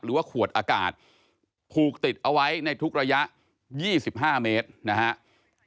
หรือว่าขวดอากาศผูกติดเอาไว้ในทุกระยะ๒๕เมตรนะครับ